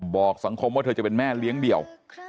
บอกสังคมว่าเธอจะเป็นแม่เลี้ยงเดี่ยว